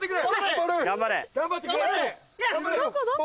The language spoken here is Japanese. どこ？